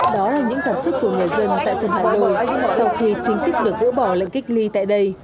đó là những cảm xúc của người dân tại thôn hà nội hoặc thì chính thức được gỡ bỏ lệnh cách ly tại đây